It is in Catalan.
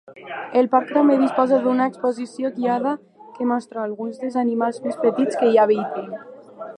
El parc també disposa d'una exposició guiada que mostra alguns dels animals més petits que hi habiten.